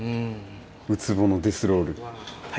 ウツボのデスロール。